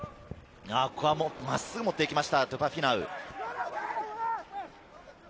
真っすぐ持って行きました、トゥパ・フィナウ。